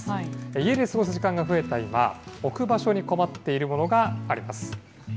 家で過ごす時間が増えた今、置く場所に困っているものがあります。